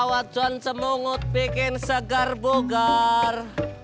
wajah mungkin saker bugar